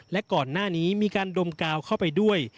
และก่อนหน้านี้มีการดมกาวเข้าไปด้วย